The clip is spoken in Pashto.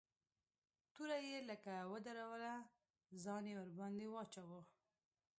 توره يې لکه ودروله ځان يې ورباندې واچاوه.